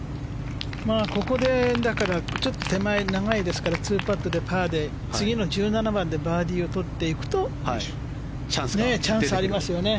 ここで手前、長いですから２パットでパーで次の１７番でバーディーを取っていくとチャンスありますよね。